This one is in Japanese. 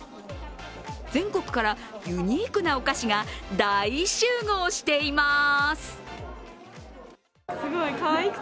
全国からユニークなお菓子が大集合しています。